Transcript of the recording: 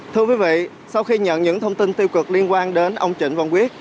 thưa quý vị sau khi nhận những thông tin tiêu cực liên quan đến ông trịnh văn quyết